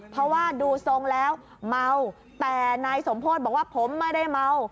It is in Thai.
เพราะว่าดูทรงแล้วเมาแต่นายสมโพธิบอกว่าผมไม่ได้เมา